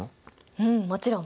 うんもちろん。